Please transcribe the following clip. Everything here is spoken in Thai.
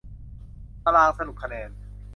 ตารางสรุปคะแนน